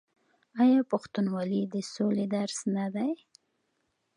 آیا پښتونولي د سولې درس نه دی؟